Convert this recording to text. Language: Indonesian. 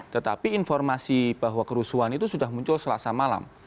tetapi informasi bahwa kerusuhan itu sudah muncul selasa malam